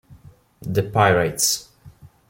The Pirates